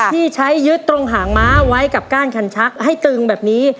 ที่ใช้ยึดตรงหางม้าไว้กับก้านคันชักให้ตึงแบบนี้